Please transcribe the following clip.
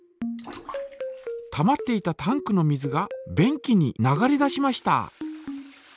たまっていたタンクの水が便器に流れ出しました。